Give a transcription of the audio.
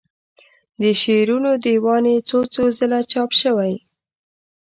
د شعرونو دیوان یې څو څو ځله چاپ شوی.